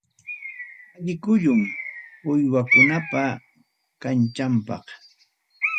Allin kullum uywakunapa kanchanpaq.